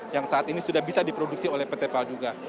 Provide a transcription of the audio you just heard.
yang saat ini sudah bisa diproduksi oleh pt pal juga